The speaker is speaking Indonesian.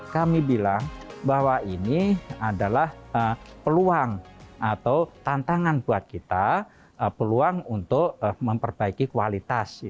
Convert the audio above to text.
kami bilang bahwa ini adalah peluang atau tantangan buat kita peluang untuk memperbaiki kualitas